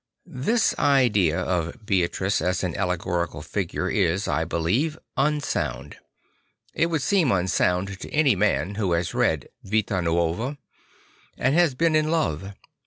This idea of Beatrice as an allegorical figure is, I believe, unsound; it would seem unsound to any man who has read the V ita N uova and has been in love.